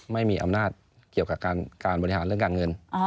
ไม่มีอำนาจเกี่ยวกับการบริหารเรื่องการเงิน